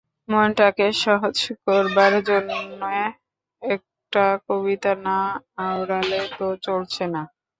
মনটাকে সহজ করবার জন্যে একটা কবিতা না আওড়ালে তো চলছে না।